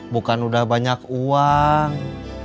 bukan udah banyak uang